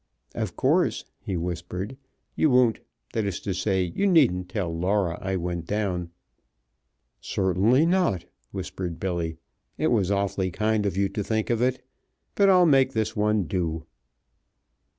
"Of course," he whispered, "you won't That is to say, you needn't tell Laura I went down " "Certainly not," whispered Billy. "It was awfully kind of you to think of it. But I'll make this one do."